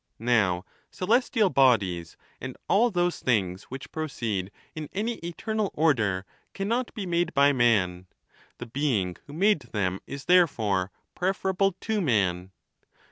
Now, celestial bodies, and all those things which proceed in any eternal order, cannot be ■ made by man ; the being who made them is therefore pref erable to man.